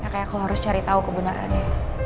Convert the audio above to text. kayak aku harus cari tahu kebenarannya